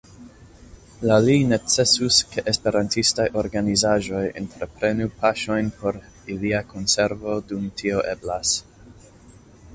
Laŭ li necesus, ke esperantistaj organizaĵoj entreprenu paŝojn por ilia konservo, dum tio eblas.